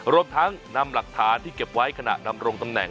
รวมทั้งนำหลักฐานที่เก็บไว้ขณะนำรงตำแหน่ง